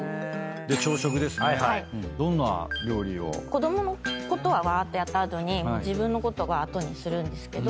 子供のことわーっとやった後に自分のこと後にするんですけど。